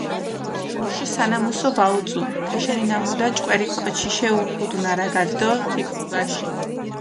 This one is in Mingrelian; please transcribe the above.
მუში სანამუსო ვაუწუ, თეშენი ნამუდა ჭკვერი კოჩიშე უღუდუ ნარაგადჷ დო თიქჷ ქოგაშინჷ.